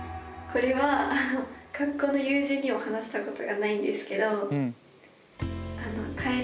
これは学校の友人にも話したことがないんですけどえ